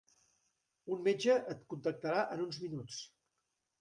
Un metge et contactarà en uns minuts.